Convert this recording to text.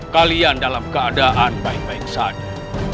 kalian dalam keadaan baik baik saja